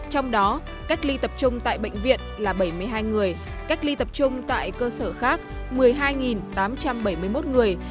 trong đó cách ly tập trung tại bệnh viện là bảy mươi hai người cách ly tập trung tại cơ sở khác một mươi hai tám trăm bảy mươi một người